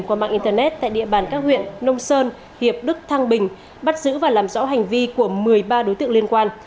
qua mạng internet tại địa bàn các huyện nông sơn hiệp đức thăng bình bắt giữ và làm rõ hành vi của một mươi ba đối tượng liên quan